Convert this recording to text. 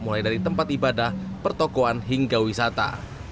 mulai dari tempat ibadah pertokohan hingga wisata